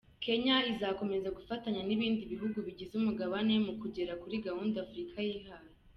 Kenya izakomeza gufatanya n’ibindi bihugu bigize umugabane mu kugera kuri gahunda Afurika yihaye.